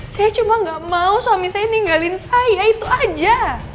saya cuma tidak mau suami saya meninggalkan saya itu saja